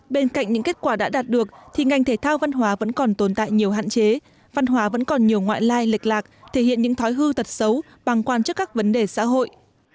bên cạnh những kết quả đã đạt được thì ngành thể thao văn hóa vẫn còn tồn tại nhiều hạn chế văn hóa vẫn còn nhiều ngoại lai lịch lạc thể hiện những thói hư tật xấu bằng quan trước các vấn đề xã hội